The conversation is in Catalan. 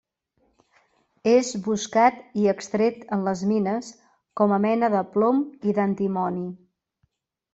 És buscat i extret en les mines com a mena de plom i d'antimoni.